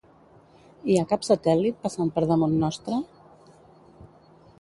Hi ha cap satèl·lit passant per damunt nostre?